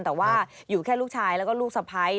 แต่ว่าอยู่แค่ลูกชายแล้วก็ลูกสะพ้าย